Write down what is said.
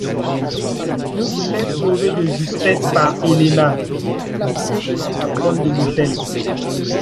Il est sauvé de justesse par Elena, la fille de la patronne de l'hôtel.